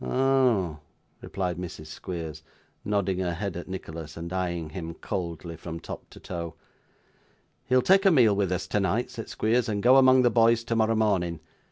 'Oh,' replied Mrs. Squeers, nodding her head at Nicholas, and eyeing him coldly from top to toe. 'He'll take a meal with us tonight,' said Squeers, 'and go among the boys tomorrow morning.